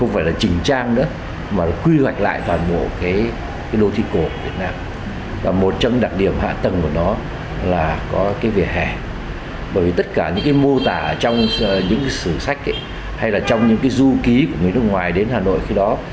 vì tất cả những mô tả trong những sử sách hay là trong những du ký của người nước ngoài đến hà nội khi đó